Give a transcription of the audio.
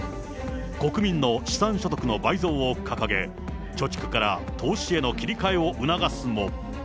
国民の資産所得の倍増を掲げ、貯蓄から投資への切り替えを促すも。